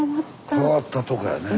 変わったとこやねえ。